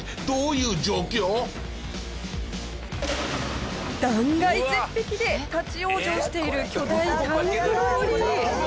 これ断崖絶壁で立ち往生している巨大タンクローリー。